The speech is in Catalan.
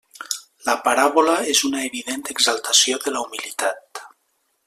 La paràbola és una evident exaltació de la humilitat.